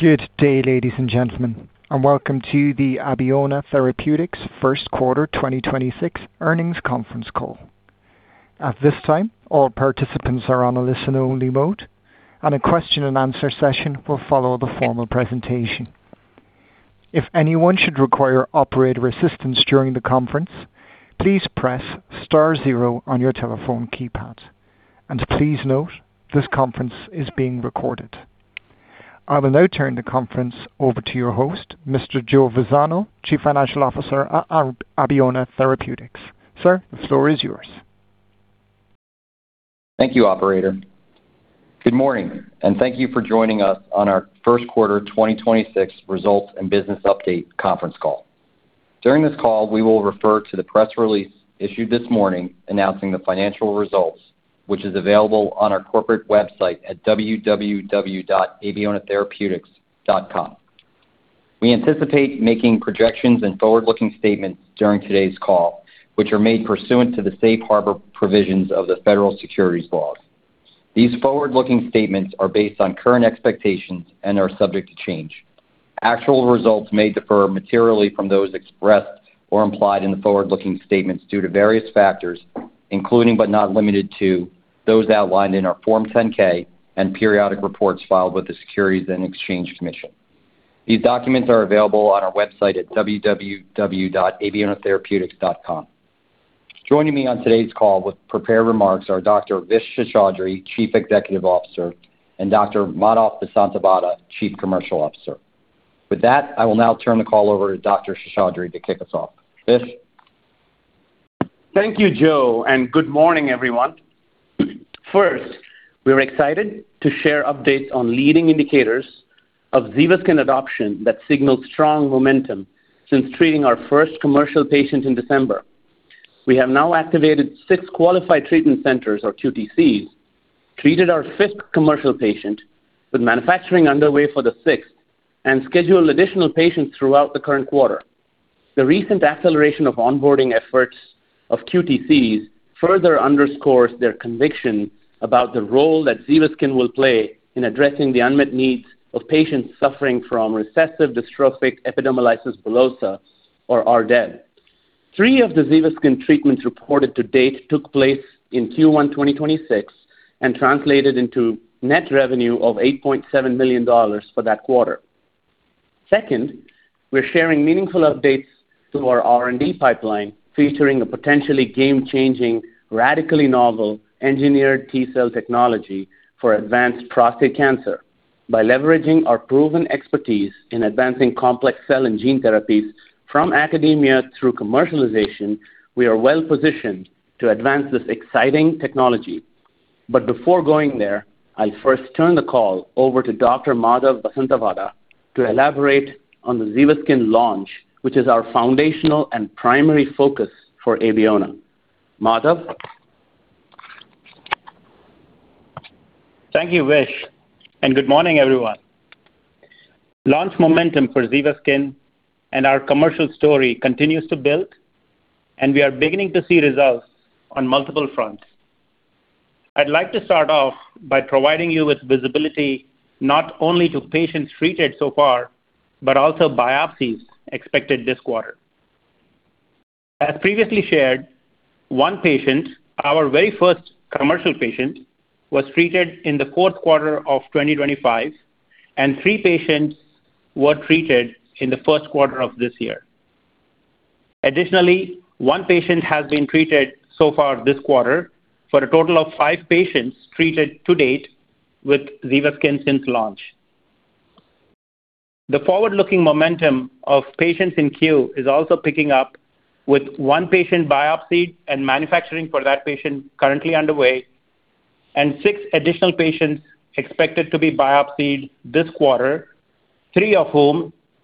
Good day, ladies and gentlemen, and welcome to the Abeona Therapeutics First Quarter 2026 Earnings Conference Call. At this time, all participants are on a listen-only mode, and a question and answer session will follow the formal presentation. If anyone should require operator assistance during the conference, please press star zero on your telephone keypad. Please note, this conference is being recorded. I will now turn the conference over to your host, Mr. Joe Vazzano, Chief Financial Officer at Abeona Therapeutics. Sir, the floor is yours. Thank you, Operator. Good morning, and thank you for joining us on our first quarter 2026 results and business update conference call. During this call, we will refer to the press release issued this morning announcing the financial results, which is available on our corporate website at www.abeonatherapeutics.com. We anticipate making projections and forward-looking statements during today's call, which are made pursuant to the safe harbor provisions of the federal securities laws. These forward-looking statements are based on current expectations and are subject to change. Actual results may differ materially from those expressed or implied in the forward-looking statements due to various factors, including but not limited to those outlined in our Form 10-K and periodic reports filed with the Securities and Exchange Commission. These documents are available on our website at www.abeonatherapeutics.com. Joining me on today's call with prepared remarks are Dr. Vishwas Seshadri, Chief Executive Officer, and Dr. Madhav Vasanthavada, Chief Commercial Officer. With that, I will now turn the call over to Dr. Seshadri to kick us off. Vish? Thank you, Joe, and good morning, everyone. First, we're excited to share updates on leading indicators of ZEVASKYN adoption that signaled strong momentum since treating our first commercial patient in December. We have now activated six qualified treatment centers or QTCs, treated our fifth commercial patient with manufacturing underway for the sixth, and scheduled additional patients throughout the current quarter. The recent acceleration of onboarding efforts of QTCs further underscores their conviction about the role that ZEVASKYN will play in addressing the unmet needs of patients suffering from recessive dystrophic epidermolysis bullosa or RDEB. Three of the ZEVASKYN treatments reported to date took place in Q1 2026 and translated into net revenue of $8.7 million for that quarter. Second, we're sharing meaningful updates to our R&D pipeline, featuring a potentially game-changing, radically novel engineered T-cell technology for advanced prostate cancer. By leveraging our proven expertise in advancing complex cell and gene therapies from academia through commercialization, we are well-positioned to advance this exciting technology. Before going there, I'll first turn the call over to Dr. Madhav Vasanthavada to elaborate on the ZEVASKYN launch, which is our foundational and primary focus for Abeona. Madhav. Thank you, Vish, and good morning, everyone. Launch momentum for ZEVASKYN and our commercial story continues to build, and we are beginning to see results on multiple fronts. I'd like to start off by providing you with visibility not only to patients treated so far, but also biopsies expected this quarter. As previously shared, one patient, our very first commercial patient, was treated in the fourth quarter of 2025, and three patients were treated in the first quarter of this year. Additionally, one patient has been treated so far this quarter for a total of five patients treated to date with ZEVASKYN since launch. The forward-looking momentum of patients in queue is also picking up with one patient biopsied and manufacturing for that patient currently underway, and 6 additional patients expected to be biopsied this quarter,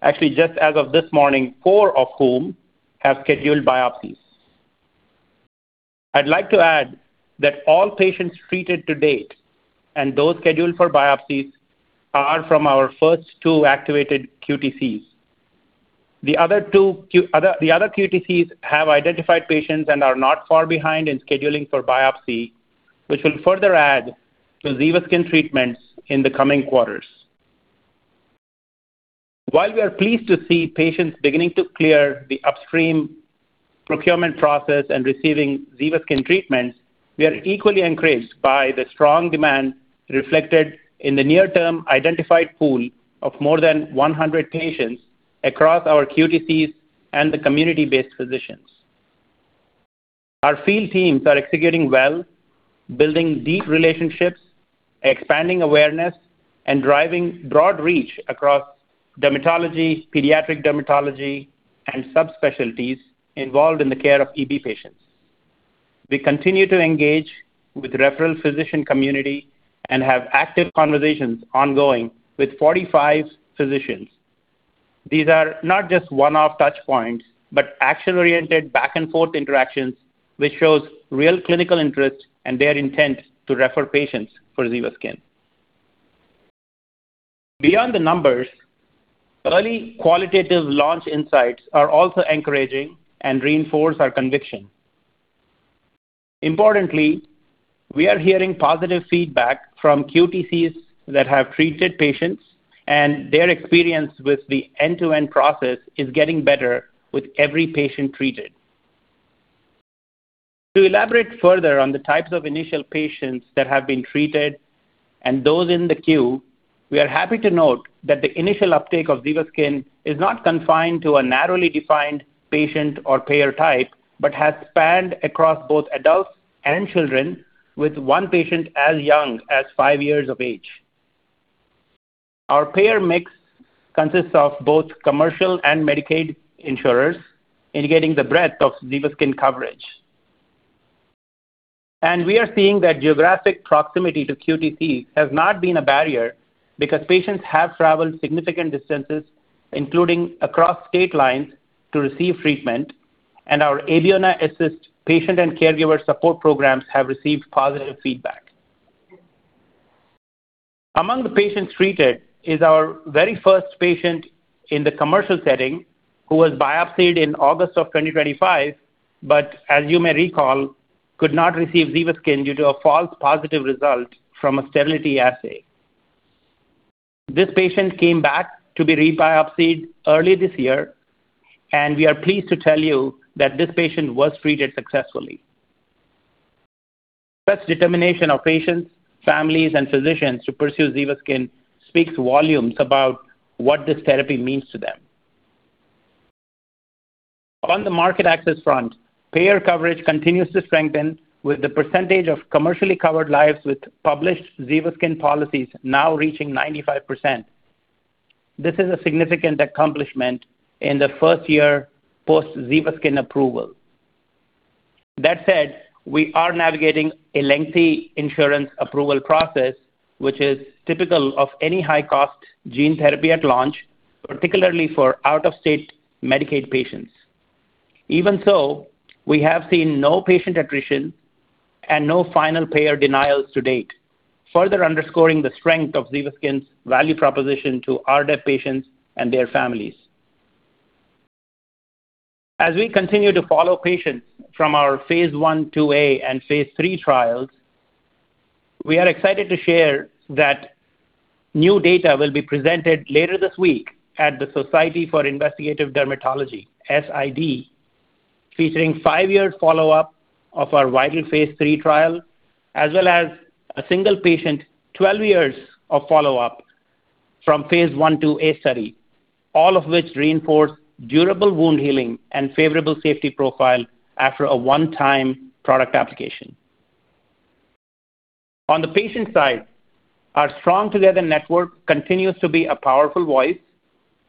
Actually, just as of this morning, four of whom have scheduled biopsies. I'd like to add that all patients treated to date and those scheduled for biopsies are from our first two activated QTCs. The other QTCs have identified patients and are not far behind in scheduling for biopsy, which will further add to ZEVASKYN treatments in the coming quarters. While we are pleased to see patients beginning to clear the upstream procurement process and receiving ZEVASKYN treatments, we are equally encouraged by the strong demand reflected in the near-term identified pool of more than 100 patients across our QTCs and the community-based physicians. Our field teams are executing well, building deep relationships, expanding awareness, and driving broad reach across dermatology, pediatric dermatology, and subspecialties involved in the care of EB patients. We continue to engage with referral physician community and have active conversations ongoing with 45 physicians. These are not just one-off touch points, but action-oriented back-and-forth interactions which shows real clinical interest and their intent to refer patients for ZEVASKYN. Beyond the numbers, early qualitative launch insights are also encouraging and reinforce our conviction. Importantly, we are hearing positive feedback from QTCs that have treated patients, and their experience with the end-to-end process is getting better with every patient treated. To elaborate further on the types of initial patients that have been treated and those in the queue, we are happy to note that the initial uptake of ZEVASKYN is not confined to a narrowly defined patient or payer type, but has spanned across both adults and children, with one patient as young as five years of age. Our payer mix consists of both commercial and Medicaid insurers, indicating the breadth of ZEVASKYN coverage. We are seeing that geographic proximity to QTC has not been a barrier because patients have traveled significant distances, including across state lines, to receive treatment, and our Abeona Assist patient and caregiver support programs have received positive feedback. Among the patients treated is our very first patient in the commercial setting who was biopsied in August of 2025, but as you may recall, could not receive ZEVASKYN due to a false positive result from a sterility assay. This patient came back to be rebiopsied early this year, and we are pleased to tell you that this patient was treated successfully. Such determination of patients, families, and physicians to pursue ZEVASKYN speaks volumes about what this therapy means to them. On the market access front, payer coverage continues to strengthen with the percentage of commercially covered lives with published ZEVASKYN policies now reaching 95%. This is a significant accomplishment in the first year post ZEVASKYN approval. That said, we are navigating a lengthy insurance approval process, which is typical of any high-cost gene therapy at launch, particularly for out-of-state Medicaid patients. Even so, we have seen no patient attrition and no final payer denials to date, further underscoring the strength of ZEVASKYN's value proposition to RDEB patients and their families. As we continue to follow patients from our phase 1/2a, and phase III trials, we are excited to share that new data will be presented later this week at the Society for Investigative Dermatology, SID, featuring five years follow-up of our VIITAL phase III trial as well as a single patient 12 years of follow-up from phase 1/2a study. All of which reinforce durable wound healing and favorable safety profile after a one-time product application. On the patient side, our Strong Together network continues to be a powerful voice,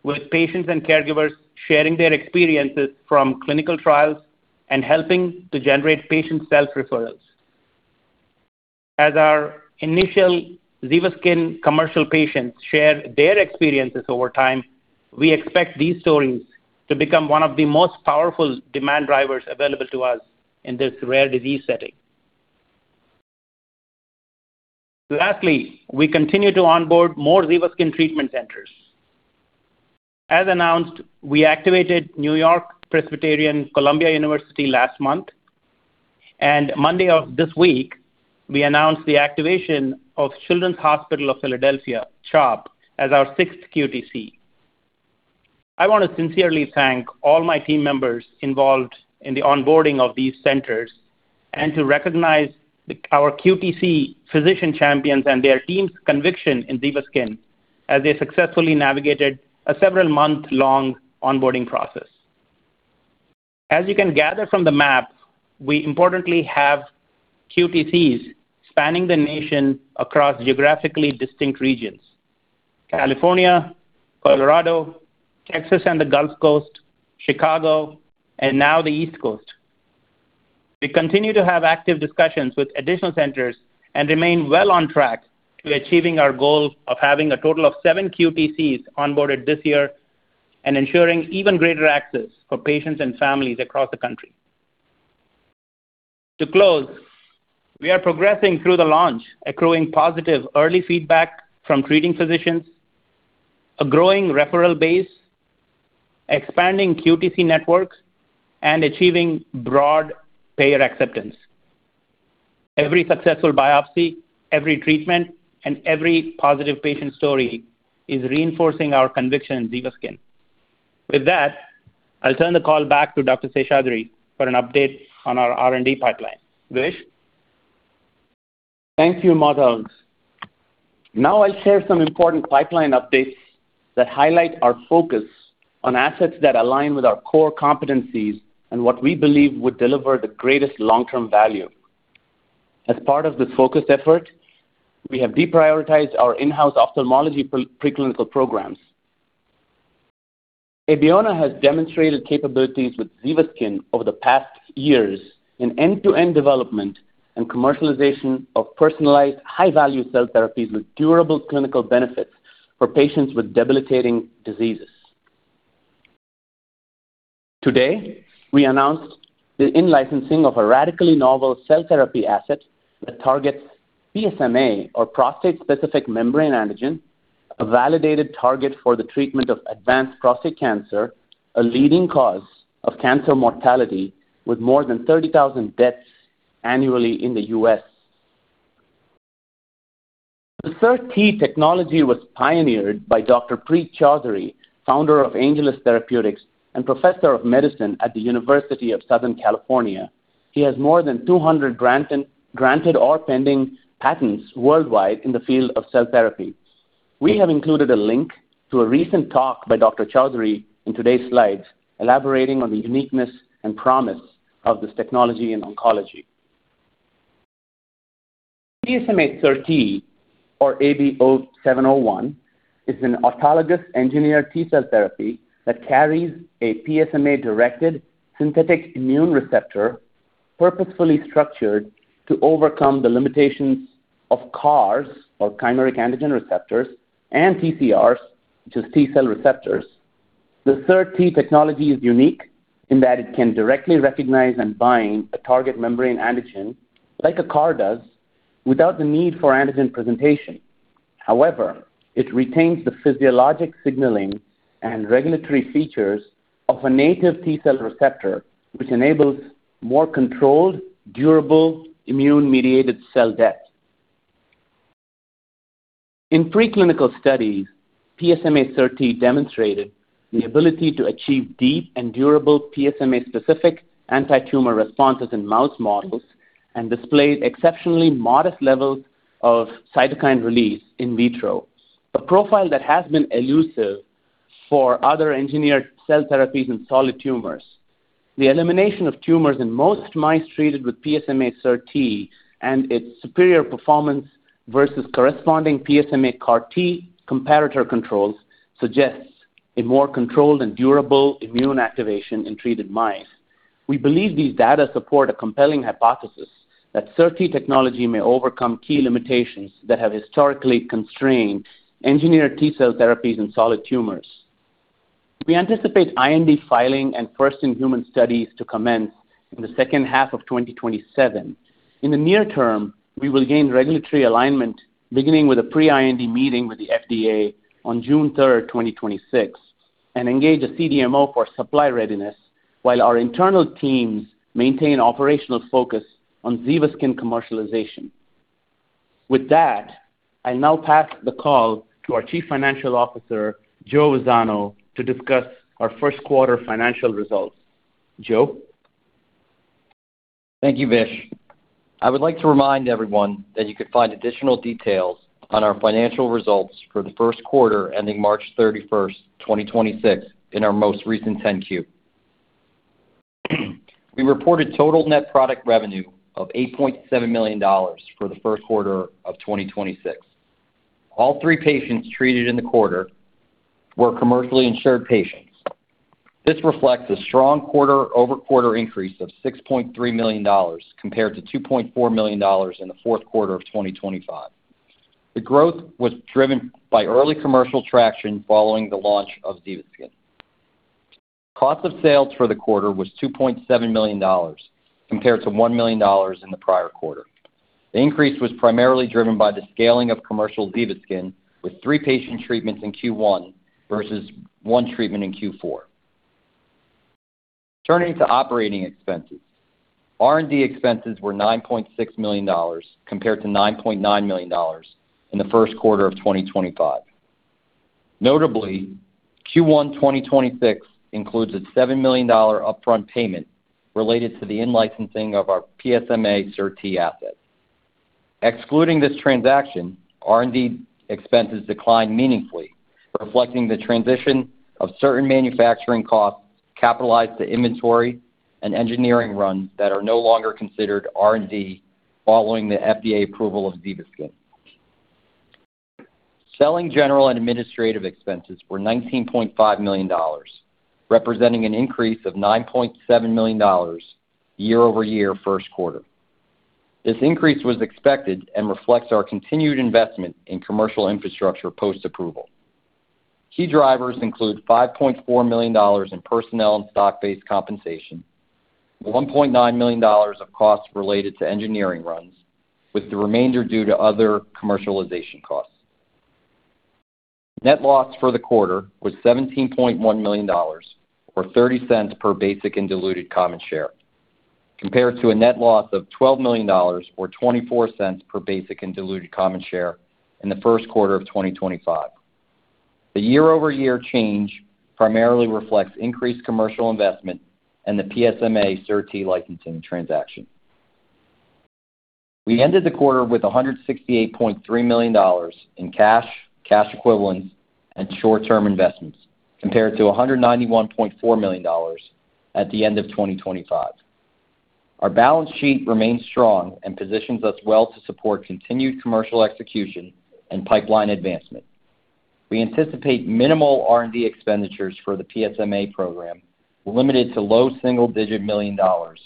with patients and caregivers sharing their experiences from clinical trials and helping to generate patient self-referrals. As our initial ZEVASKYN commercial patients share their experiences over time, we expect these stories to become one of the most powerful demand drivers available to us in this rare disease setting. Lastly, we continue to onboard more ZEVASKYN treatment centers. As announced, we activated NewYork-Presbyterian/Columbia University last month, and Monday of this week, we announced the activation of Children's Hospital of Philadelphia, CHOP, as our sixth QTC. I want to sincerely thank all my team members involved in the onboarding of these centers and to recognize our QTC physician champions and their team's conviction in ZEVASKYN as they successfully navigated a several-month-long onboarding process. As you can gather from the map, we importantly have QTCs spanning the nation across geographically distinct regions, California, Colorado, Texas and the Gulf Coast, Chicago, and now the East Coast. We continue to have active discussions with additional centers and remain well on track to achieving our goal of having a total of seven QTCs onboarded this year and ensuring even greater access for patients and families across the country. To close, we are progressing through the launch, accruing positive early feedback from treating physicians, a growing referral base, expanding QTC networks, and achieving broad payer acceptance. Every successful biopsy, every treatment, and every positive patient story is reinforcing our conviction in ZEVASKYN. With that, I'll turn the call back to Dr. Seshadri for an update on our R&D pipeline. Vish? Thank you, Madhav. Now I'll share some important pipeline updates that highlight our focus on assets that align with our core competencies and what we believe would deliver the greatest long-term value. As part of this focused effort, we have deprioritized our in-house ophthalmology preclinical programs. Abeona has demonstrated capabilities with ZEVASKYN over the past years in end-to-end development and commercialization of personalized high-value cell therapies with durable clinical benefits for patients with debilitating diseases. Today, we announced the in-licensing of a radically novel cell therapy asset that targets PSMA or prostate-specific membrane antigen, a validated target for the treatment of advanced prostate cancer, a leading cause of cancer mortality with more than 30,000 deaths annually in the U.S. The CAR-T technology was pioneered by Dr. Preet Chaudhary, founder of Angeles Therapeutics, and Professor of Medicine at the University of Southern California. He has more than 200 granted or pending patents worldwide in the field of cell therapy. We have included a link to a recent talk by Dr. Chaudhary in today's slides, elaborating on the uniqueness and promise of this technology in oncology. PSMA CAR-T or ABO-701 is an autologous engineered T-cell therapy that carries a PSMA-directed synthetic immune receptor purposefully structured to overcome the limitations of CARs, or chimeric antigen receptors, and TCRs, which is T-cell receptors. The CAR-T technology is unique in that it can directly recognize and bind a target membrane antigen, like a CAR does, without the need for antigen presentation. It retains the physiologic signaling and regulatory features of a native T-cell receptor, which enables more controlled, durable, immune-mediated cell death. In preclinical studies, PSMA CAR-T demonstrated the ability to achieve deep and durable PSMA-specific antitumor responses in mouse models and displayed exceptionally modest levels of cytokine release in vitro, a profile that has been elusive for other engineered cell therapies in solid tumors. The elimination of tumors in most mice treated with PSMA CAR-T and its superior performance versus corresponding PSMA CAR-T comparator controls suggests a more controlled and durable immune activation in treated mice. We believe these data support a compelling hypothesis that CAR-T technology may overcome key limitations that have historically constrained engineered T-cell therapies in solid tumors. We anticipate IND filing and first-in-human studies to commence in the second half of 2027. In the near term, we will gain regulatory alignment, beginning with a pre-IND meeting with the FDA on June 3rd, 2026, and engage a CDMO for supply readiness while our internal teams maintain operational focus on ZEVASKYN commercialization. With that, I now pass the call to our Chief Financial Officer, Joe Vazzano, to discuss our first quarter financial results. Joe. Thank you, Vish. I would like to remind everyone that you could find additional details on our financial results for the first quarter ending March 31st, 2026, in our most recent Form 10-Q. We reported total net product revenue of $8.7 million for the first quarter of 2026. All 3 patients treated in the quarter were commercially insured patients. This reflects a strong quarter-over-quarter increase of $6.3 million compared to $2.4 million in the fourth quarter of 2025. The growth was driven by early commercial traction following the launch of ZEVASKYN. Cost of sales for the quarter was $2.7 million compared to $1 million in the prior quarter. The increase was primarily driven by the scaling of commercial ZEVASKYN, with three patient treatments in Q1 versus one treatment in Q4. Turning to operating expenses. R&D expenses were $9.6 million compared to $9.9 million in the first quarter of 2025. Notably, Q1 2026 includes a $7 million upfront payment related to the in-licensing of our PSMA CAR-T asset. Excluding this transaction, R&D expenses declined meaningfully, reflecting the transition of certain manufacturing costs capitalized to inventory and engineering runs that are no longer considered R&D following the FDA approval of ZEVASKYN. Selling general and administrative expenses were $19.5 million, representing an increase of $9.7 million year-over-year first quarter. This increase was expected and reflects our continued investment in commercial infrastructure post-approval. Key drivers include $5.4 million in personnel and stock-based compensation, $1.9 million of costs related to engineering runs, with the remainder due to other commercialization costs. Net loss for the quarter was $17.1 million, or $0.30 per basic and diluted common share, compared to a net loss of $12 million or $0.24 per basic and diluted common share in the first quarter of 2025. The year-over-year change primarily reflects increased commercial investment and the PSMA CAR-T licensing transaction. We ended the quarter with $168.3 million in cash equivalents, and short-term investments, compared to $191.4 million at the end of 2025. Our balance sheet remains strong and positions us well to support continued commercial execution and pipeline advancement. We anticipate minimal R&D expenditures for the PSMA program, limited to low single-digit million dollars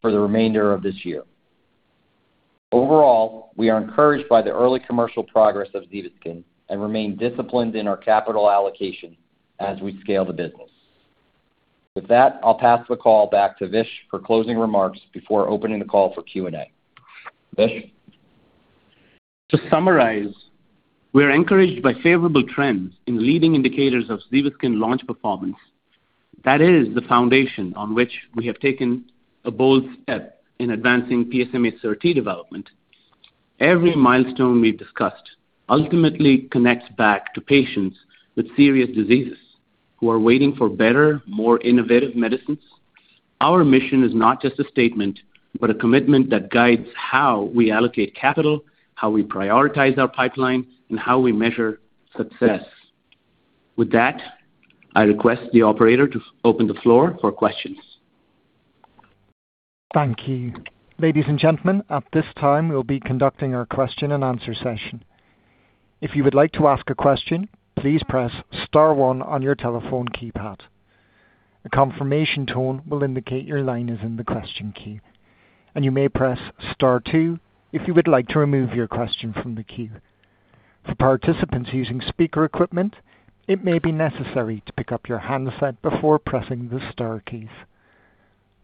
for the remainder of this year. Overall, we are encouraged by the early commercial progress of ZEVASKYN and remain disciplined in our capital allocation as we scale the business. With that, I'll pass the call back to Vish for closing remarks before opening the call for Q&A. Vish? To summarize, we are encouraged by favorable trends in leading indicators of ZEVASKYN launch performance. That is the foundation on which we have taken a bold step in advancing PSMA CAR-T development. Every milestone we discussed ultimately connects back to patients with serious diseases who are waiting for better, more innovative medicines. Our mission is not just a statement, but a commitment that guides how we allocate capital, how we prioritize our pipeline, and how we measure success. With that, I request the operator to open the floor for questions. Thank you. Ladies and gentlemen, at this time, we'll be conducting our question and answer session. If you would like to ask a question, please press star one on your telephone keypad. A confirmation tone will indicate your line is in the question queue, and you may press star two if you would like to remove your question from the queue. For participants using speaker equipment, it may be necessary to pick up your handset before pressing the star keys.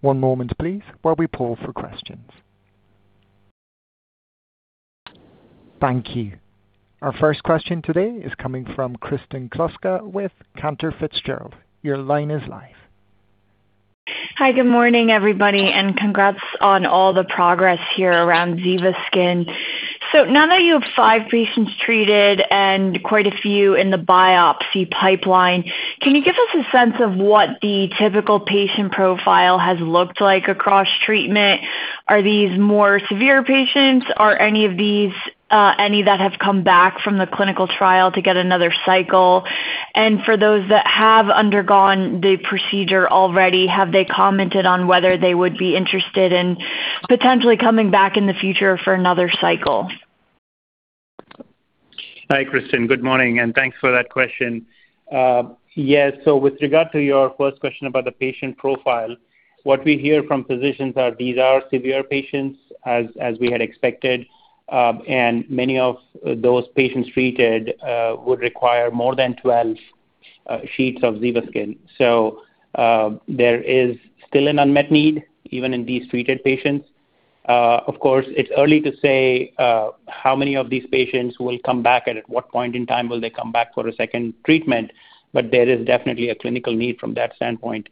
One moment please, while we poll for questions. Thank you. Our first question today is coming from Kristen Kluska with Cantor Fitzgerald. Your line is live. Hi. Good morning, everybody, and congrats on all the progress here around ZEVASKYN. Now that you have five patients treated and quite a few in the biopsy pipeline, can you give us a sense of what the typical patient profile has looked like across treatment? Are these more severe patients? Are any of these any that have come back from the clinical trial to get another cycle? And for those that have undergone the procedure already, have they commented on whether they would be interested in potentially coming back in the future for another cycle? Hi, Kristen. Good morning, and thanks for that question. Yes. With regard to your first question about the patient profile, what we hear from physicians are these are severe patients as we had expected, and many of those patients treated would require more than 12 sheets of ZEVASKYN. There is still an unmet need even in these treated patients. Of course, it's early to say how many of these patients will come back and at what point in time will they come back for a second treatment, but there is definitely a clinical need from that standpoint.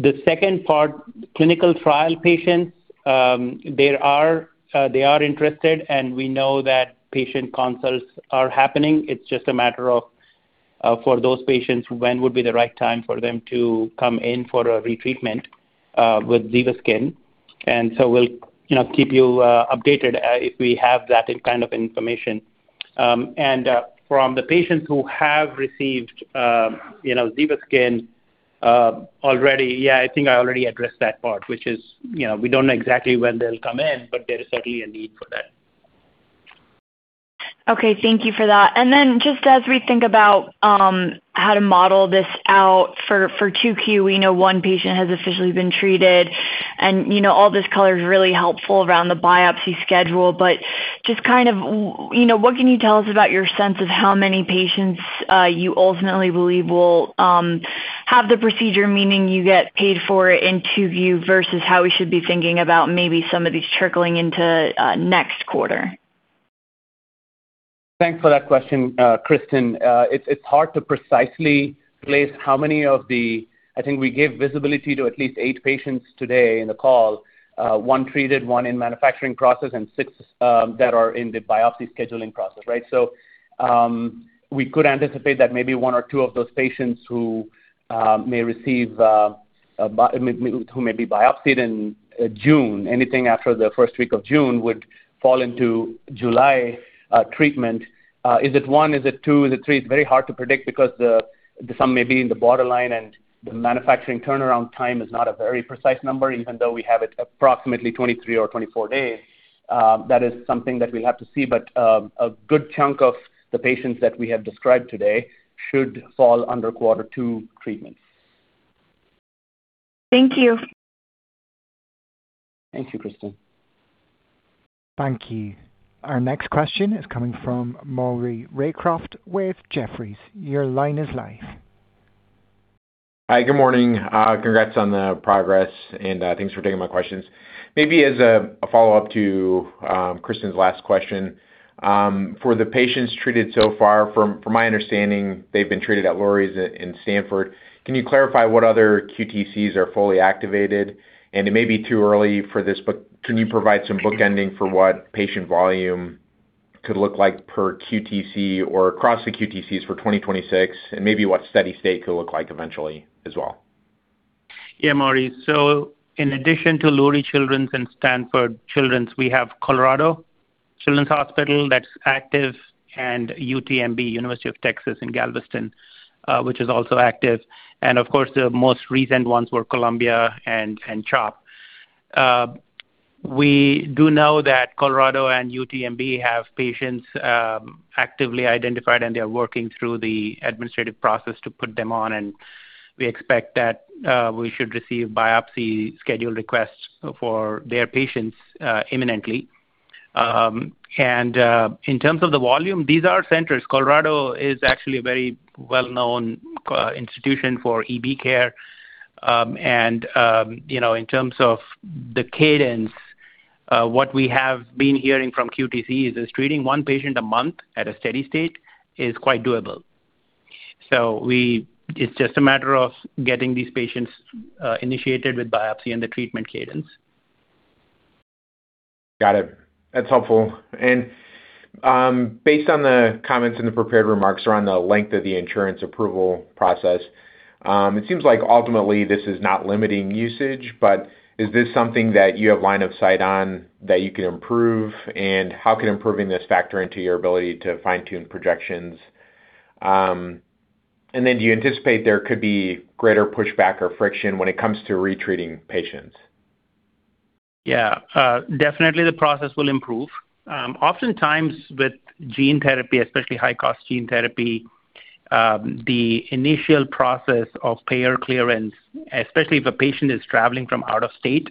The second part, clinical trial patients, they are interested, and we know that patient consults are happening. It's just a matter of for those patients, when would be the right time for them to come in for a retreatment with ZEVASKYN. We'll, you know, keep you updated if we have that in kind of information. From the patients who have received, you know, ZEVASKYN already. Yeah, I think I already addressed that part, which is, you know, we don't know exactly when they'll come in, but there is certainly a need for that. Okay. Thank you for that. Then just as we think about how to model this out for 2Q, we know one patient has officially been treated and, you know, all this color is really helpful around the biopsy schedule, just kind of you know, what can you tell us about your sense of how many patients you ultimately believe will have the procedure, meaning you get paid for in 2Q versus how we should be thinking about maybe some of these trickling into next quarter? Thanks for that question, Kristen. It's hard to precisely place how many of the I think we gave visibility to at least eight patients today in the call, one treated, one in manufacturing process, and six that are in the biopsy scheduling process, right? We could anticipate that maybe one or two of those patients who may receive who may be biopsied in June, anything after the first week of June, would fall into July treatment. Is it one? Is it two? Is it three? It's very hard to predict because some may be in the borderline and the manufacturing turnaround time is not a very precise number even though we have it approximately 23 or 24 days. That is something that we'll have to see. A good chunk of the patients that we have described today should fall under quarter two treatments. Thank you. Thank you, Kristen. Thank you. Our next question is coming from Maury Raycroft with Jefferies. Your line is live. Hi. Good morning. Congrats on the progress, and thanks for taking my questions. Maybe as a follow-up to Kristen's last question, for the patients treated so far, from my understanding, they've been treated at Lurie's in Stanford. Can you clarify what other QTCs are fully activated? It may be too early for this, but can you provide some bookending for what patient volume could look like per QTC or across the QTCs for 2026 and maybe what steady state could look like eventually as well? Maury, in addition to Lurie Children's and Stanford Children's, we have Children's Hospital Colorado that's active and UTMB, University of Texas in Galveston, which is also active. Of course, the most recent ones were Columbia and CHOP. We do know that Colorado and UTMB have patients actively identified, and they are working through the administrative process to put them on, and we expect that we should receive biopsy schedule requests for their patients imminently. In terms of the volume, these are centers. Colorado is actually a very well-known institution for EB care. You know, in terms of the cadence, what we have been hearing from QTC is treating one patient a month at a steady state is quite doable. It's just a matter of getting these patients, initiated with biopsy and the treatment cadence. Got it. That's helpful. Based on the comments in the prepared remarks around the length of the insurance approval process, it seems like ultimately this is not limiting usage, but is this something that you have line of sight on that you can improve? How can improving this factor into your ability to fine-tune projections? Then do you anticipate there could be greater pushback or friction when it comes to retreating patients? Yeah, definitely the process will improve. Oftentimes with gene therapy, especially high-cost gene therapy, the initial process of payer clearance, especially if a patient is traveling from out of state,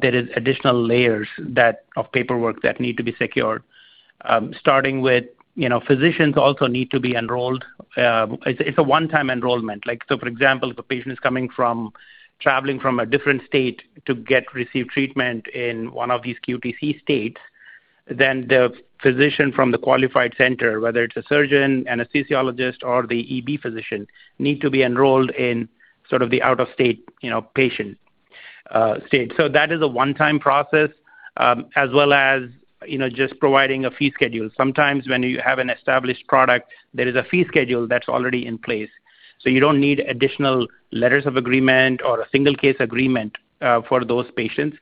there is additional layers of paperwork that need to be secured. Starting with, you know, physicians also need to be enrolled. It's, it's a one-time enrollment. Like, so for example, if a patient is traveling from a different state to get receive treatment in one of these QTC states, then the physician from the qualified center, whether it's a surgeon, anesthesiologist, or the EB physician, need to be enrolled in sort of the out-of-state, you know, patient state. That is a one-time process, as well as, you know, just providing a fee schedule. Sometimes when you have an established product, there is a fee schedule that's already in place. You don't need additional letters of agreement or a single case agreement for those patients.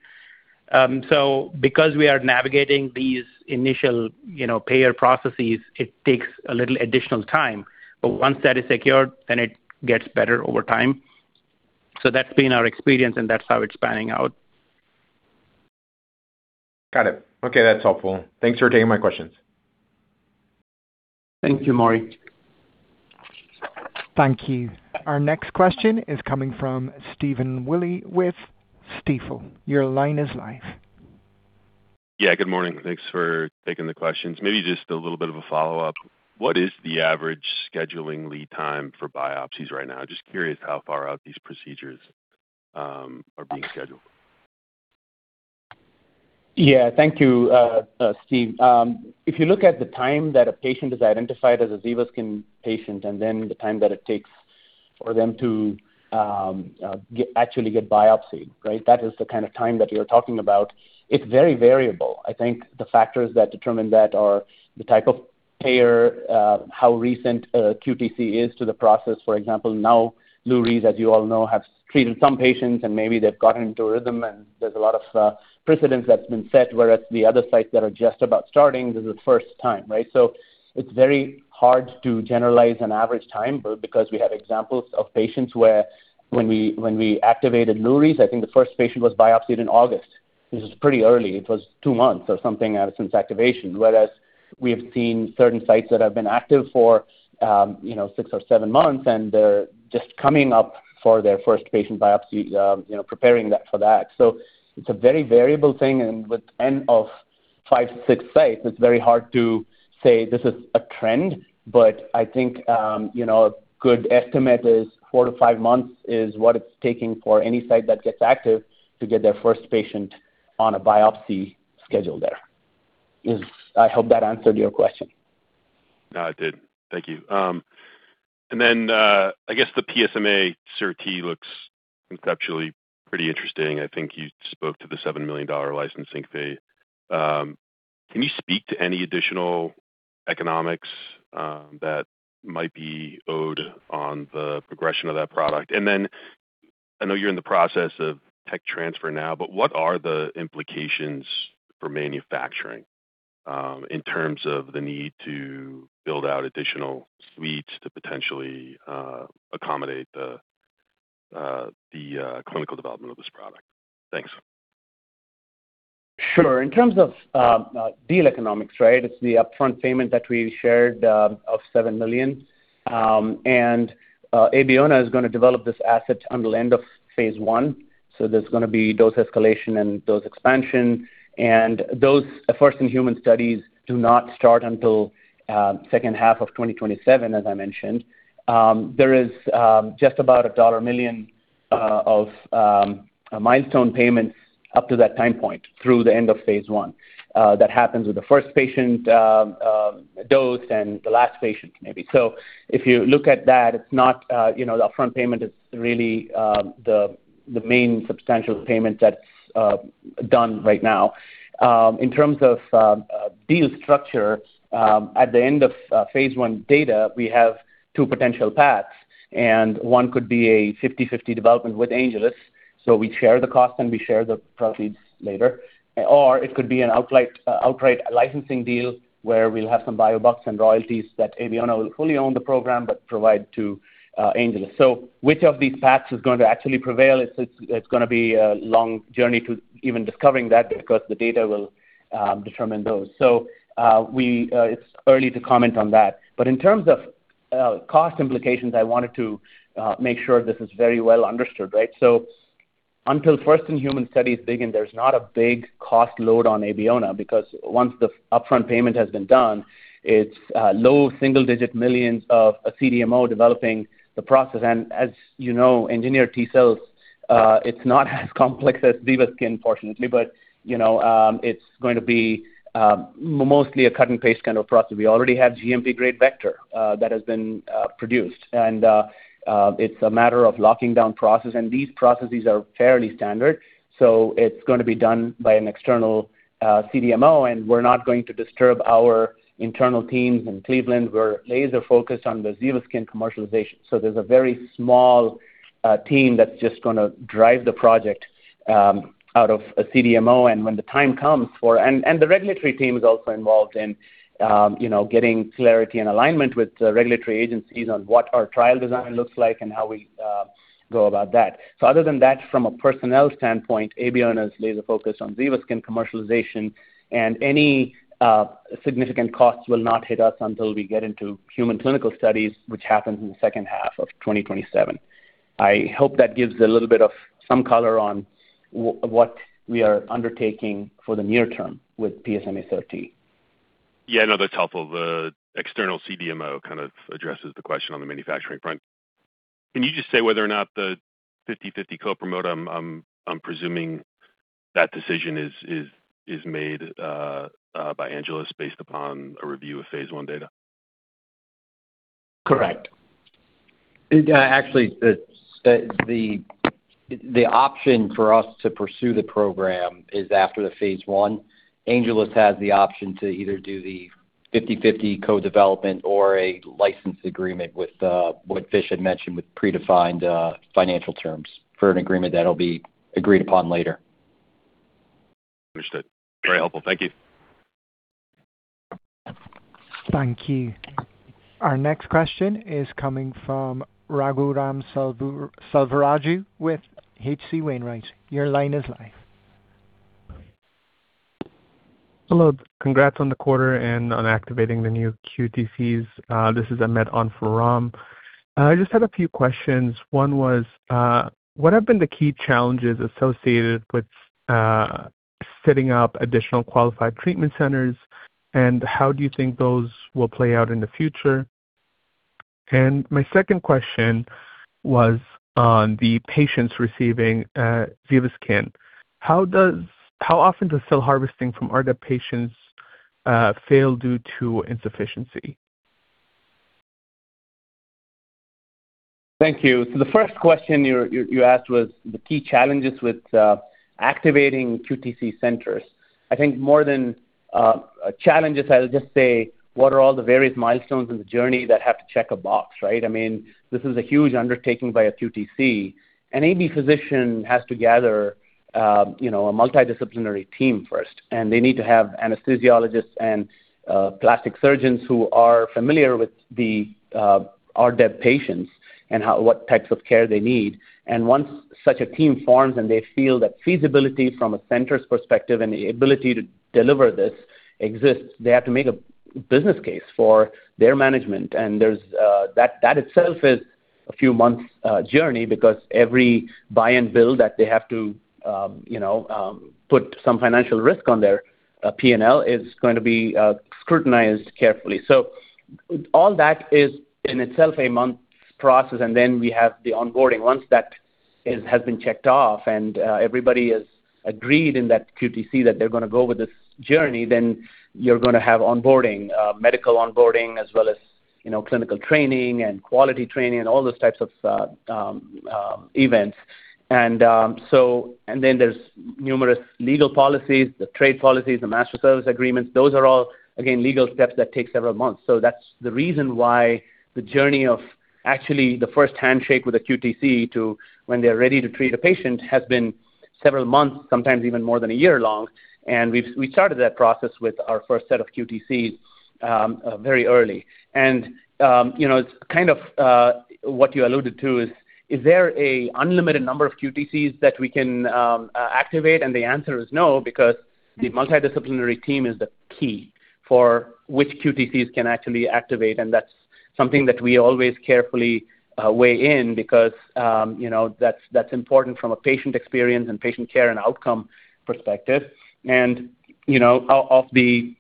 Because we are navigating these initial, you know, payer processes, it takes a little additional time. Once that is secured, it gets better over time. That's been our experience, and that's how it's panning out. Got it. Okay, that's helpful. Thanks for taking my questions. Thank you, Maury. Thank you. Our next question is coming from Stephen Willey with Stifel. Your line is live. Yeah, good morning. Thanks for taking the questions. Maybe just a little bit of a follow-up. What is the average scheduling lead time for biopsies right now? Just curious how far out these procedures are being scheduled. Yeah. Thank you, Steve. If you look at the time that a patient is identified as a ZEVASKYN patient and then the time that it takes for them to actually get biopsied, right? That is the kind of time that we are talking about. It's very variable. I think the factors that determine that are the type of payer, how recent a QTC is to the process. For example, now Lurie, as you all know, have treated some patients, and maybe they've gotten into a rhythm, and there's a lot of precedents that's been set, whereas the other sites that are just about starting, this is the first time, right? It's very hard to generalize an average time because we have examples of patients where when we activated Lurie's, I think the first patient was biopsied in August. This is pretty early. It was two months or something out of since activation. Whereas we have seen certain sites that have been active for six or seven months, and they're just coming up for their first patient biopsy, preparing that for that. It's a very variable thing, and with n of five, six sites, it's very hard to say this is a trend. I think a good estimate is 4-5 months is what it's taking for any site that gets active to get their first patient on a biopsy schedule there. Is I hope that answered your question. No, it did. Thank you. I guess the PSMA CAR-T looks conceptually pretty interesting. I think you spoke to the $7 million licensing fee. Can you speak to any additional economics that might be owed on the progression of that product? I know you're in the process of tech transfer now, but what are the implications for manufacturing in terms of the need to build out additional suites to potentially accommodate the clinical development of this product? Thanks. Sure. In terms of deal economics, right? It's the upfront payment that we shared of $7 million. Abeona is gonna develop this asset until end of phase I. There's gonna be dose escalation and dose expansion, and those first in human studies do not start until second half of 2027, as I mentioned. There is just about a dollar million of milestone payments up to that time point through the end of phase I. That happens with the first patient dosed and the last patient maybe. If you look at that, it's not, you know, the upfront payment is really the main substantial payment that's done right now. In terms of deal structure, at the end of phase I data, we have two potential paths. One could be a 50/50 development with Angeles, so we share the cost and we share the proceeds later. It could be an outright licensing deal where we'll have some biobucks and royalties that Abeona will fully own the program, but provide to Angeles. Which of these paths is going to actually prevail? It's going to be a long journey to even discovering that because the data will determine those. We, it's early to comment on that. In terms of cost implications, I wanted to make sure this is very well understood, right? Until first-in-human studies begin, there's not a big cost load on Abeona because once the upfront payment has been done, it's low single-digit millions of a CDMO developing the process. As you know, engineered T-cells, it's not as complex as ZEVASKYN fortunately, but you know, it's going to be mostly a cut and paste kind of process. We already have GMP-grade vector that has been produced, and it's a matter of locking down process, and these processes are fairly standard, so it's going to be done by an external CDMO, and we're not going to disturb our internal teams in Cleveland. We're laser focused on the ZEVASKYN commercialization. There's a very small team that's just going to drive the project out of a CDMO. When the time comes for the regulatory team is also involved in getting clarity and alignment with regulatory agencies on what our trial design looks like and how we go about that. Other than that, from a personnel standpoint, Abeona Therapeutics is laser focused on ZEVASKYN commercialization, and any significant costs will not hit us until we get into human clinical studies, which happens in the second half of 2027. I hope that gives a little bit of some color on what we are undertaking for the near term with PSMA CAR-T. Yeah. No, that's helpful. The external CDMO kind of addresses the question on the manufacturing front. Can you just say whether or not the 50/50 co-promote, I'm presuming that decision is made by Angeles based upon a review of phase I data? Correct. Actually, the option for us to pursue the program is after the phase I. Angeles has the option to either do the 50/50 co-development or a license agreement with, what Vish had mentioned with predefined, financial terms for an agreement that'll be agreed upon later. Understood. Very helpful. Thank you. Thank you. Our next question is coming from Raghuram Selvaraju with H.C. Wainwright. Your line is live. Hello. Congrats on the quarter and on activating the new QTCs. This is Ahmed Anvarram. I just had a few questions. One was, what have been the key challenges associated with setting up additional Qualified Treatment Centers, and how do you think those will play out in the future? My second question was on the patients receiving ZEVASKYN. How often does cell harvesting from RDEB patients fail due to insufficiency? Thank you. The first question you asked was the key challenges with activating QTC centers. I think more than challenges, I'll just say what are all the various milestones in the journey that have to check a box, right? I mean, this is a huge undertaking by a QTC. An EB physician has to gather, you know, a multidisciplinary team first, and they need to have anesthesiologists and plastic surgeons who are familiar with the RDEB patients and what types of care they need. Once such a team forms and they feel that feasibility from a center's perspective and the ability to deliver this exists, they have to make a business case for their management. There's that itself is a few months journey because every buy and build that they have to, you know, put some financial risk on their P&L is going to be scrutinized carefully. All that is in itself a month's process, and then we have the onboarding. Once that has been checked off and everybody has agreed in that QTC that they're gonna go with this journey, then you're gonna have onboarding, medical onboarding as well as, you know, clinical training and quality training and all those types of events. There's numerous legal policies, the trade policies, the master service agreements. Those are all, again, legal steps that take several months. That's the reason why the journey of actually the first handshake with a QTC to when they're ready to treat a patient has been several months, sometimes even more than one year long. We started that process with our first set of QTCs very early. You know, it's kind of what you alluded to is there a unlimited number of QTCs that we can activate? The answer is no, because the multidisciplinary team is the key for which QTCs can actually activate, and that's something that we always carefully weigh in because, you know, that's important from a patient experience and patient care and outcome perspective. You know, of the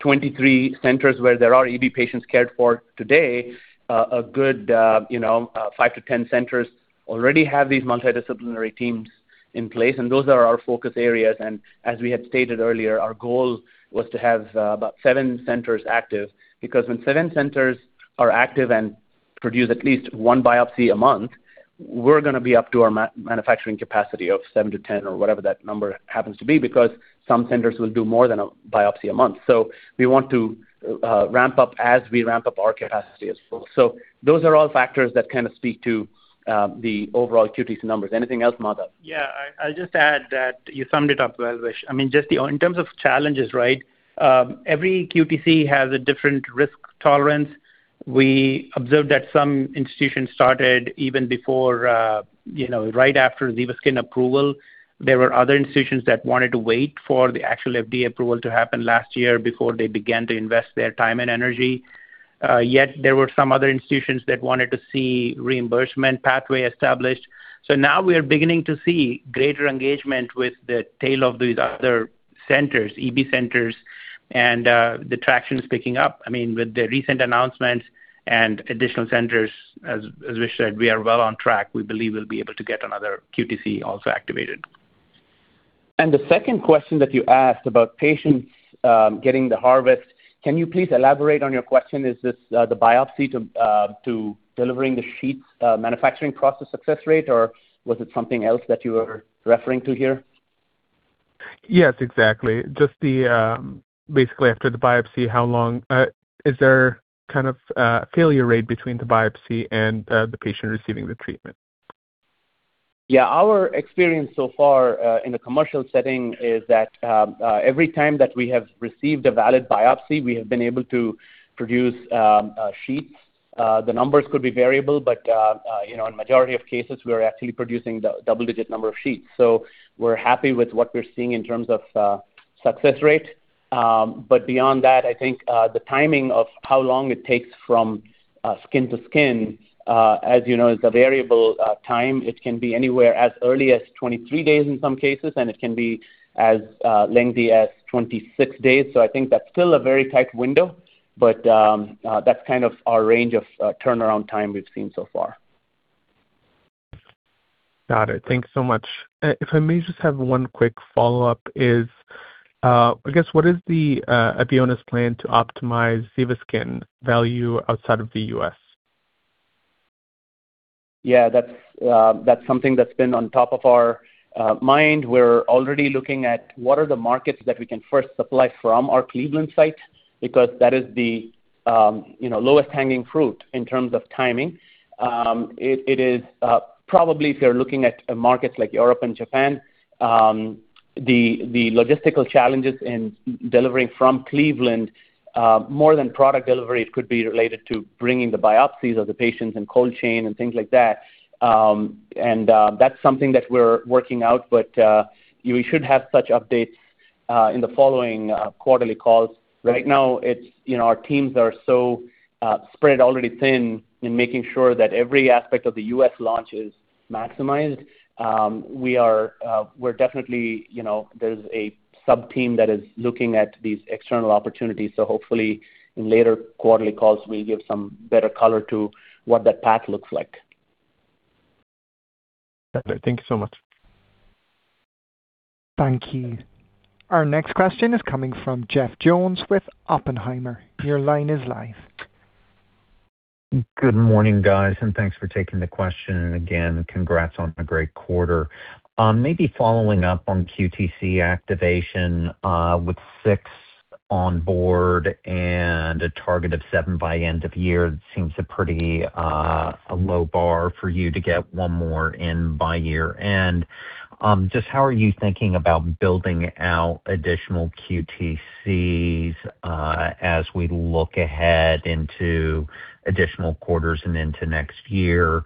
23 centers where there are EB patients cared for today, a good, you know, 5-10 centers already have these multidisciplinary teams in place, and those are our focus areas. As we had stated earlier, our goal was to have about seven centers active because when seven centers are active and produce at least one biopsy a month, we're gonna be up to our manufacturing capacity of 7-10 or whatever that number happens to be because some centers will do more than a biopsy a month. We want to ramp up as we ramp up our capacity as well. Those are all factors that kind of speak to the overall QTC numbers. Anything else, Madhav? Yeah. I'll just add that you summed it up well, Vish. I mean, just in terms of challenges, right, every QTC has a different risk tolerance. We observed that some institutions started even before, you know, right after ZEVASKYN approval. There were other institutions that wanted to wait for the actual FDA approval to happen last year before they began to invest their time and energy. Yet there were some other institutions that wanted to see reimbursement pathway established. Now we are beginning to see greater engagement with the tail of these other centers, EB centers, and the traction is picking up. I mean with the recent announcements and additional centers, as Vish said, we are well on track. We believe we'll be able to get another QTC also activated. The second question that you asked about patients, getting the harvest, can you please elaborate on your question? Is this the biopsy to delivering the sheets, manufacturing process success rate, or was it something else that you were referring to here? Yes, exactly. Just the, basically after the biopsy, how long is there kind of a failure rate between the biopsy and the patient receiving the treatment? Our experience so far in the commercial setting is that every time that we have received a valid biopsy, we have been able to produce a sheet. The numbers could be variable, in majority of cases, we're actually producing the double-digit number of sheets. We're happy with what we're seeing in terms of success rate. Beyond that, I think the timing of how long it takes from skin to skin is a variable time. It can be anywhere as early as 23 days in some cases, and it can be as lengthy as 26 days. I think that's still a very tight window, that's kind of our range of turnaround time we've seen so far. Got it. Thanks so much. If I may just have one quick follow-up is, I guess, what is the Abeona's plan to optimize ZEVASKYN value outside of the U.S.? Yeah, that's something that's been on top of our mind. We're already looking at what are the markets that we can first supply from our Cleveland site, because that is the, you know, lowest hanging fruit in terms of timing. It is probably if you're looking at markets like Europe and Japan, the logistical challenges in delivering from Cleveland, more than product delivery could be related to bringing the biopsies of the patients and cold chain and things like that. That's something that we're working out, we should have such updates in the following quarterly calls. Right now, it's, you know, our teams are so spread already thin in making sure that every aspect of the U.S. launch is maximized. We're definitely, you know, there's a sub-team that is looking at these external opportunities. Hopefully, in later quarterly calls, we give some better color to what that path looks like. Got it. Thank you so much. Thank you. Our next question is coming from Jeff Jones with Oppenheimer. Your line is live. Good morning, guys, thanks for taking the question. Again, congrats on a great quarter. Maybe following up on QTC activation, with 6 on board and a target of seven by end of year seems a pretty low bar for you to get one more in by year end. Just how are you thinking about building out additional QTCs, as we look ahead into additional quarters and into next year?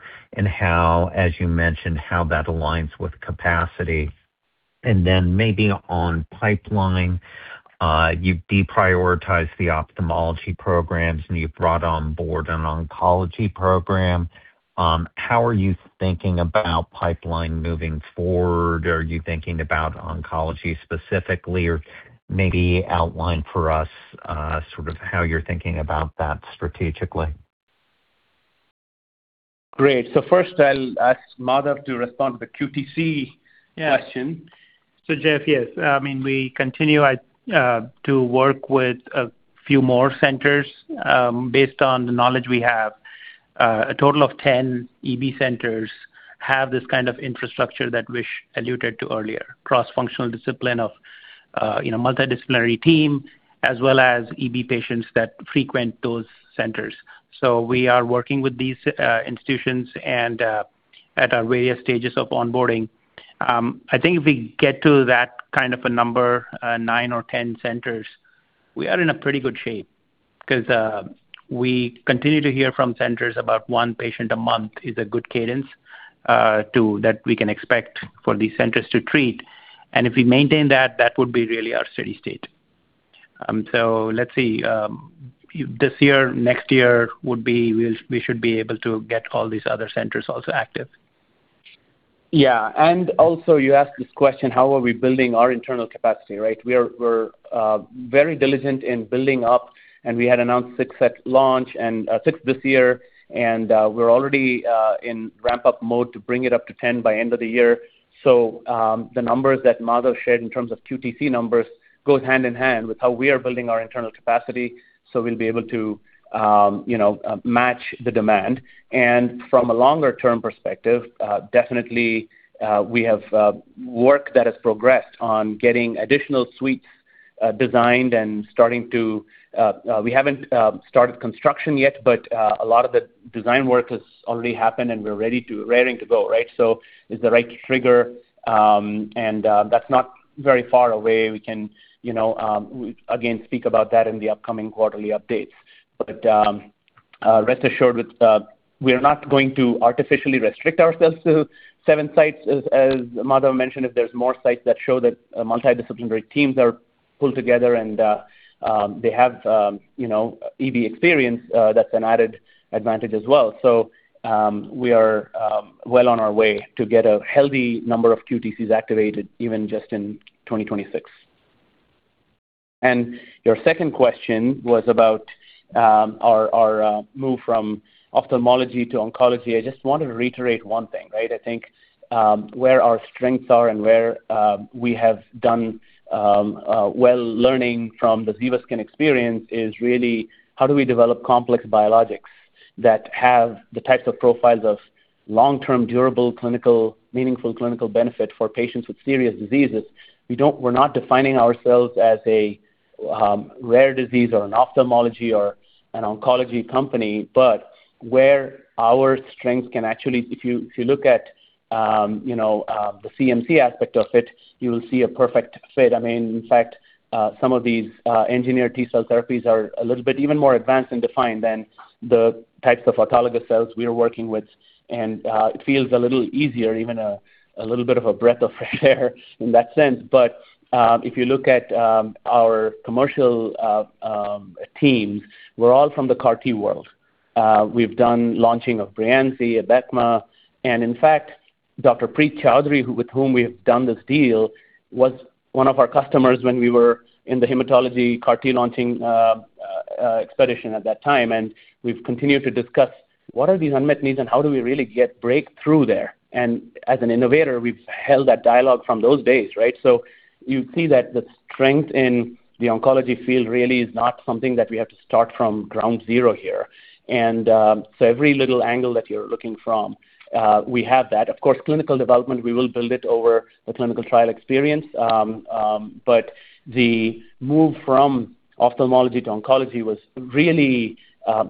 How, as you mentioned, how that aligns with capacity. Maybe on pipeline, you've deprioritized the ophthalmology programs, and you've brought on board an oncology program. How are you thinking about pipeline moving forward? Are you thinking about oncology specifically? Maybe outline for us, sort of how you're thinking about that strategically. Great. First, I'll ask Madhav to respond to the QTC question. Jeff, yes. I mean, we continue to work with a few more centers, based on the knowledge we have. A total of 10 EB centers have this kind of infrastructure that Vish alluded to earlier, cross-functional discipline of, you know, multidisciplinary team, as well as EB patients that frequent those centers. We are working with these institutions and at our various stages of onboarding. I think if we get to that kind of a number, nine or 10 centers, we are in a pretty good shape because we continue to hear from centers about one patient a month is a good cadence to that we can expect for these centers to treat. If we maintain that would be really our steady state. Let's see, this year, next year would be we should be able to get all these other centers also active. Yeah. Also, you asked this question, how are we building our internal capacity, right? We're very diligent in building up, and we had announced six at launch and six this year, and we're already in ramp-up mode to bring it up to 10 by end of the year. The numbers that Madhav shared in terms of QTC numbers goes hand in hand with how we are building our internal capacity, so we'll be able to, you know, match the demand. From a longer-term perspective, definitely, we have work that has progressed on getting additional suites designed. We haven't started construction yet, but a lot of the design work has already happened, and we're ready to, raring to go, right? It's the right trigger, and that's not very far away. We can, you know, again, speak about that in the upcoming quarterly updates. Rest assured with, we are not going to artificially restrict ourselves to 7 sites. As Madhav mentioned, if there's more sites that show that, multidisciplinary teams are pulled together and, they have, you know, EB experience, that's an added advantage as well. We are, well on our way to get a healthy number of QTCs activated even just in 2026. Your second question was about, our, move from ophthalmology to oncology. I just wanted to reiterate one thing, right? I think, where our strengths are and where we have done well learning from the ZEVASKYN experience is really how do we develop complex biologics that have the types of profiles of long-term, durable, meaningful clinical benefit for patients with serious diseases. We're not defining ourselves as a rare disease or an ophthalmology or an oncology company, but where our strengths can actually if you look at, you know, the CMC aspect of it, you will see a perfect fit. I mean, in fact, some of these engineered T-cell therapies are a little bit even more advanced and defined than the types of autologous cells we are working with. It feels a little easier, even a little bit of a breath of fresh air in that sense. If you look at our commercial teams, we're all from the CAR-T world. We've done launching of Breyanzi, Abecma, and in fact, Dr. Preet Chaudhary, with whom we have done this deal, was one of our customers when we were in the hematology CAR T launching expedition at that time. We've continued to discuss what are these unmet needs and how do we really get breakthrough there. As an innovator, we've held that dialogue from those days, right? You see that the strength in the oncology field really is not something that we have to start from ground zero here. Every little angle that you're looking from, we have that. Of course, clinical development, we will build it over the clinical trial experience. The move from ophthalmology to oncology was really,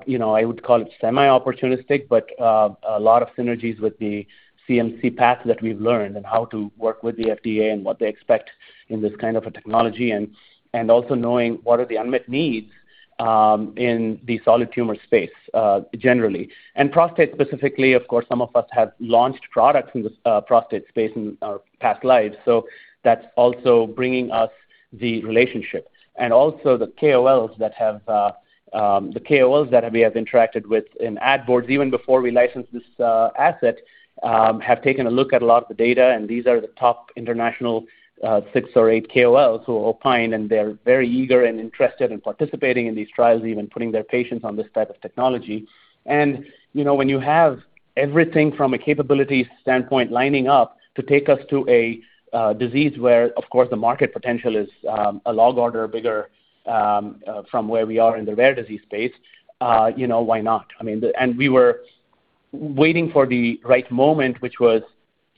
you know, I would call it semi-opportunistic, but a lot of synergies with the CMC path that we've learned and how to work with the FDA and what they expect in this kind of a technology and also knowing what are the unmet needs in the solid tumor space, generally. Prostate specifically, of course, some of us have launched products in this prostate space in our past lives, so that's also bringing us the relationships. Also the KOLs that we have interacted with in ad boards even before we licensed this asset, have taken a look at a lot of the data. These are the top international, six or eight KOLs who opine, and they're very eager and interested in participating in these trials, even putting their patients on this type of technology. You know, when you have everything from a capability standpoint lining up to take us to a disease where, of course, the market potential is a log order bigger from where we are in the rare disease space, you know, why not? I mean we were waiting for the right moment, which was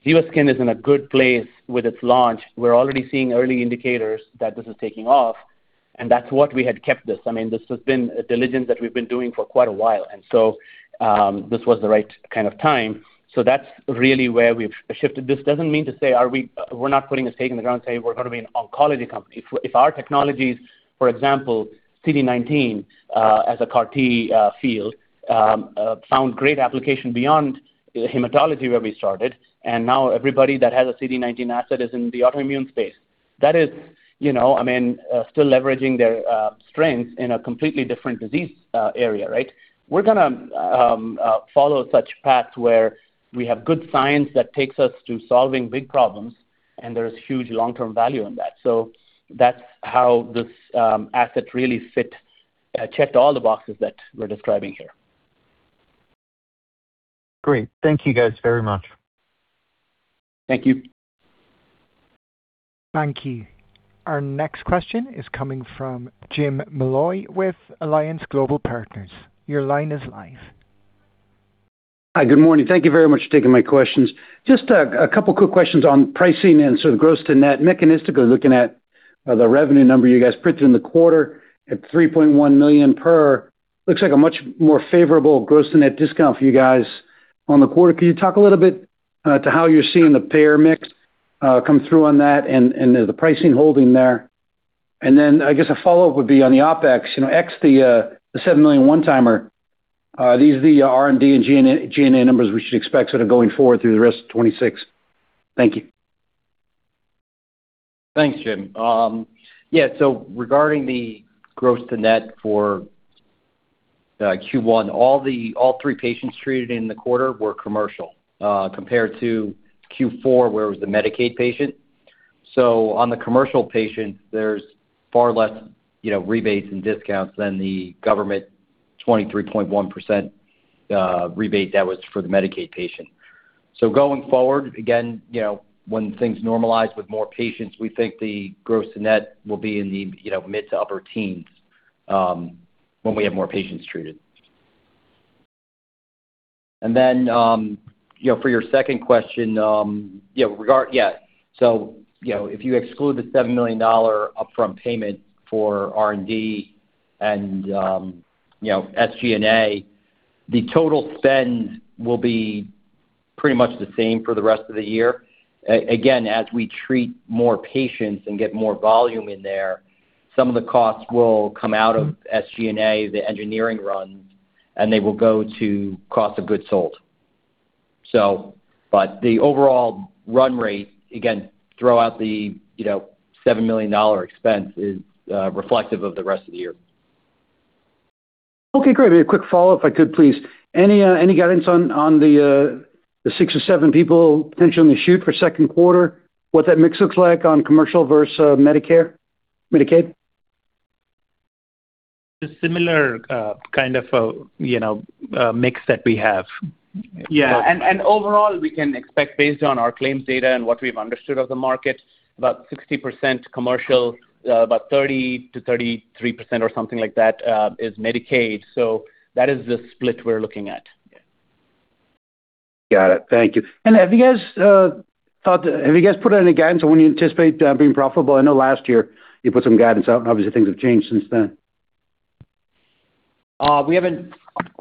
ZEVASKYN is in a good place with its launch. We're already seeing early indicators that this is taking off, and that's what we had kept this. I mean, this has been a diligence that we've been doing for quite a while. This was the right kind of time. That's really where we've shifted. This doesn't mean to say we're not putting a stake in the ground and saying we're gonna be an oncology company. If our technologies, for example, CD19, as a CAR-T field, found great application beyond the hematology where we started, and now everybody that has a CD19 asset is in the autoimmune space. That is, you know, I mean, still leveraging their strengths in a completely different disease area, right? We're gonna follow such paths where we have good science that takes us to solving big problems, and there is huge long-term value in that. That's how this asset really fit, checked all the boxes that we're describing here. Great. Thank you guys very much. Thank you. Thank you. Our next question is coming from James Molloy with Alliance Global Partners. Your line is live. Hi. Good morning. Thank you very much for taking my questions. Just a couple quick questions on pricing and sort of gross to net. Mechanistically looking at the revenue number you guys printed in the quarter at $3.1 million per, looks like a much more favorable gross to net discount for you guys on the quarter. Can you talk a little bit to how you're seeing the payer mix come through on that and the pricing holding there? Then I guess a follow-up would be on the OpEx. You know, ex the $7 million one-timer, these are the R&D and G&A numbers we should expect sort of going forward through the rest of 2026. Thank you. Thanks, Jim. Regarding the gross to net for Q1, all three patients treated in the quarter were commercial, compared to Q4, where it was the Medicaid patient. On the commercial patient, there's far less, you know, rebates and discounts than the government 23.1% rebate that was for the Medicaid patient. Going forward, again, you know, when things normalize with more patients, we think the gross to net will be in the, you know, mid to upper teens when we have more patients treated. For your second question, you know, if you exclude the $7 million upfront payment for R&D and, you know, SG&A, the total spend will be. Pretty much the same for the rest of the year. Again, as we treat more patients and get more volume in there, some of the costs will come out of SG&A, the engineering runs, and they will go to cost of goods sold. The overall run rate, again, throw out the, you know, $7 million expense is reflective of the rest of the year. Okay, great. A quick follow-up if I could, please. Any guidance on the six or seven people potentially in the chute for second quarter? What that mix looks like on commercial versus Medicare Medicaid? Similar, kind of, you know, mix that we have. Yeah. Overall, we can expect based on our claims data and what we've understood of the market, about 60% commercial, about 30%-33% or something like that, is Medicaid. That is the split we're looking at. Yeah. Got it. Thank you. Have you guys put any guidance on when you anticipate being profitable? I know last year you put some guidance out. Obviously things have changed since then.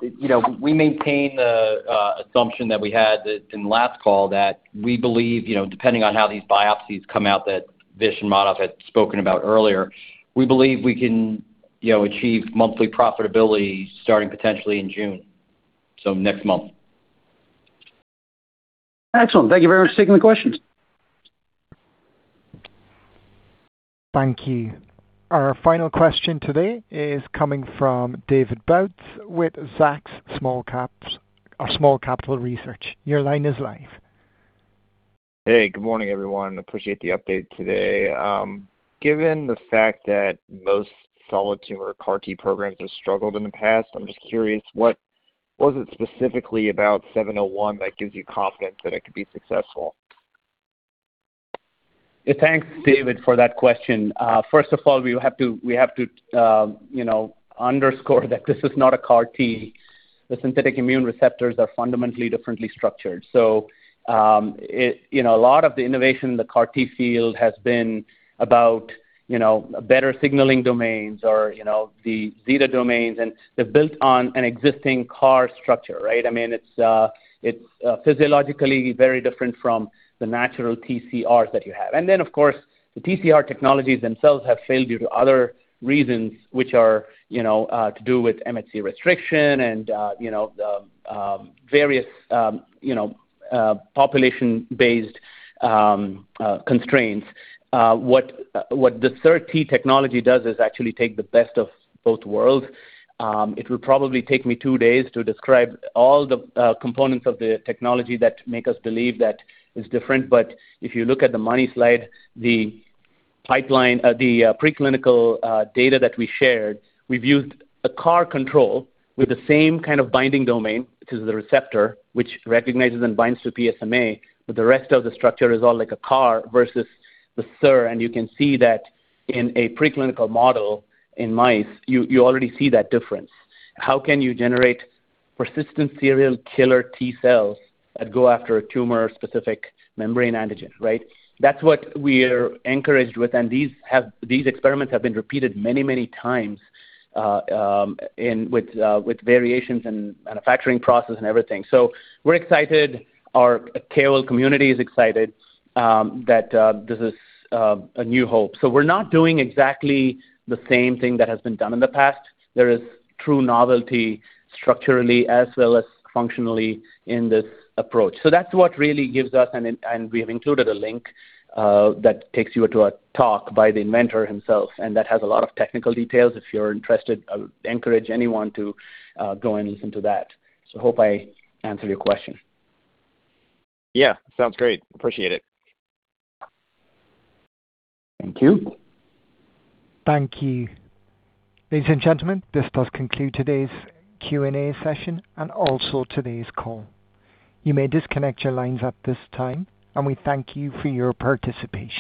You know, we maintain the assumption that we had in the last call that we believe, you know, depending on how these biopsies come out that Vish and Madhav had spoken about earlier, we believe we can, you know, achieve monthly profitability starting potentially in June, so next month. Excellent. Thank you very much for taking the questions. Thank you. Our final question today is coming from David Boutz with Zacks Small Cap Research. Your line is live. Hey, good morning, everyone. Appreciate the update today. Given the fact that most solid tumor CAR-T programs have struggled in the past, I'm just curious, what was it specifically about 701 that gives you confidence that it could be successful? Thanks, David, for that question. First of all, we have to, you know, underscore that this is not a CAR-T. The synthetic immune receptors are fundamentally differently structured. You know, a lot of the innovation in the CAR-T field has been about, you know, better signaling domains or, you know, the zeta domains, and they're built on an existing CAR structure, right? I mean, it's physiologically very different from the natural TCRs that you have. Of course, the TCR technologies themselves have failed due to other reasons which are, you know, to do with MHC restriction and, you know, the various, you know, population-based constraints. What the CAR-T technology does is actually take the best of both worlds. It would probably take me two days to describe all the components of the technology that make us believe that it's different. If you look at the money slide, the preclinical data that we shared, we've used a CAR control with the same kind of binding domain, which is the receptor, which recognizes and binds to PSMA, but the rest of the structure is all like a CAR versus the SIR. You can see that in a preclinical model in mice, you already see that difference. How can you generate persistent serial killer T-cells that go after a tumor-specific membrane antigen, right? That's what we're encouraged with, and these experiments have been repeated many, many times with variations in manufacturing process and everything. We're excited. Our KOL community is excited that this is a new hope. We're not doing exactly the same thing that has been done in the past. There is true novelty structurally as well as functionally in this approach. That's what really gives us. We have included a link that takes you to a talk by the inventor himself, and that has a lot of technical details. If you're interested, I would encourage anyone to go and listen to that. Hope I answered your question. Yeah. Sounds great. Appreciate it. Thank you. Thank you. Ladies and gentlemen, this does conclude today's Q&A session and also today's call. You may disconnect your lines at this time, and we thank you for your participation.